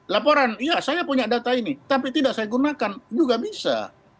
laporan iya saya punya data ini tapi tidak saya gunakan juga bisa